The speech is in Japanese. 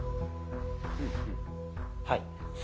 はい。